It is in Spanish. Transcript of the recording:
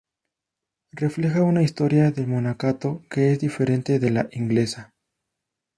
Refleja una historia del monacato que es diferente de la inglesa.